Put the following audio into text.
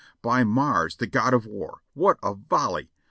By Mars the God of War ! What a volley